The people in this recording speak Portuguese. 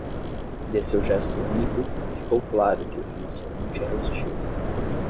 De seu gesto único, ficou claro que o rinoceronte era hostil.